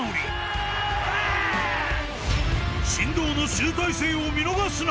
［神童の集大成を見逃すな！］